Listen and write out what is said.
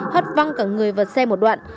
hất văng cả người vượt xe một đoạn